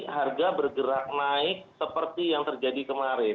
harga bergerak naik seperti yang terjadi kemarin